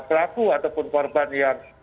pelaku ataupun korban yang